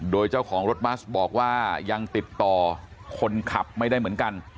โดยเจ้าของรถบัสบอกว่ายังติดต่อคนขับไม่ได้เหมือนกัน